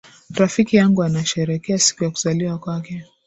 Rafiki yangu anasherehekea siku ya kuzaliwa kwake.